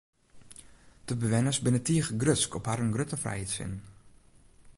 De bewenners binne tige grutsk op harren grutte frijheidssin.